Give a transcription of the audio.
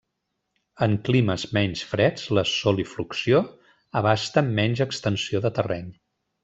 En climes menys freds la solifluxió abasta menys extensió de terreny.